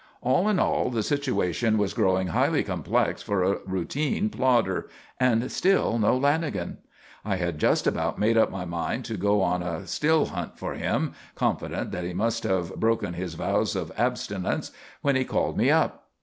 All in all, the situation was growing highly complex for a routine plodder, and still no Lanagan! I had just about made up my mind to go on a still hunt for him, confident that he must have broken his vows of abstinence, when he called me up.